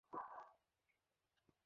তবে তোমার তো মরে যাওয়ার কথা।